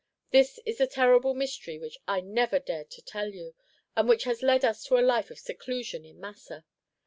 This is the terrible mystery which I never dared to tell you, and which led us to a life of seclusion at Massa.